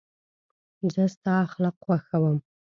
زه ستا اخلاق خوښوم.